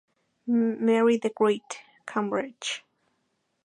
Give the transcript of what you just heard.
Mary the Great, Cambridge.